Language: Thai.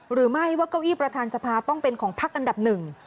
หรือไม่ว่าเก้าอี้ประธานสภาต้องเป็นของพักอันดับหนึ่ง